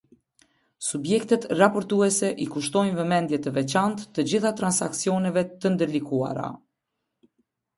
Subjektet raportuese i kushtojnë vëmendje të veçantë të gjitha transaksioneve të ndërlikuara.